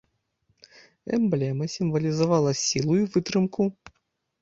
Эмблема сімвалізавала сілу і вытрымку.